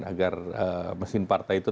agar mesin partai itu